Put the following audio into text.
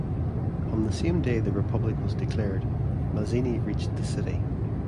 On the same day the Republic was declared, Mazzini reached the city.